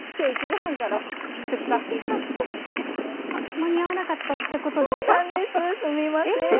間に合わなかったということですか？